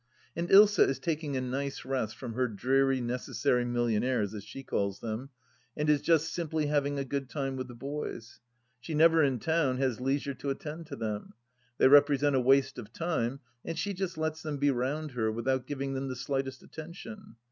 And Ilsa is taking a nice rest from her dreary necessary millionaires, as she calls them, and is just simply having a good time with the boys. She never in town has leisure to attend to them ; they represent a waste of time, and she just lets them be round her without giving them the slightest attention.